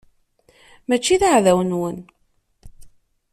Mačči d taɛdawt-nwen.